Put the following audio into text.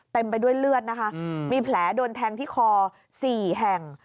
ไปด้วยเลือดนะคะมีแผลโดนแทงที่คอ๔แห่ง